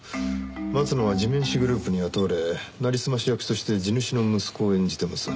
松野は地面師グループに雇われなりすまし役として地主の息子を演じています。